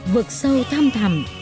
vực sâu thăm thầm